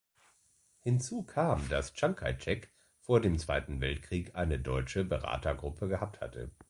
Hinzu kam dass Chiang Kai-shek vor dem Zweiten Weltkrieg eine deutsche Beratergruppe gehabt hatte.